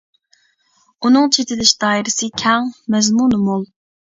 ئۇنىڭ چېتىلىش دائىرىسى كەڭ، مەزمۇنى مول.